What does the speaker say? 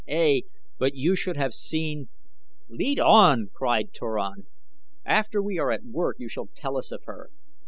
Ey, but you should have seen " "Lead on!" cried Turan. "After we are at work you shall tell us of her."